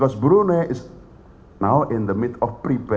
karena brunei sekarang sedang berprepare